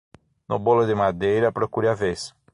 No bolo de madeira, procure a vez.